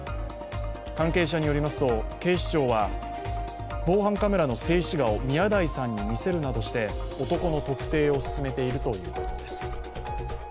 関係者によりますと、警視庁は防犯カメラの静止画を宮台さんに見せるなどして男の特定を進めているということです。